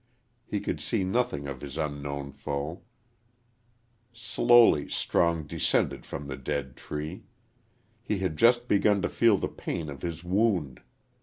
He could see nothing of his unknown foe. Slowly Strong descended from the dead tree. He had just begun to feel the pain of his wound.